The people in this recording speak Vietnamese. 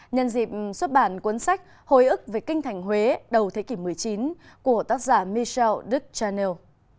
nhân dịp xuất bản cuốn sách hồi ức về kinh thành huế đầu thế kỷ một mươi chín của tác giả michel duch chaneil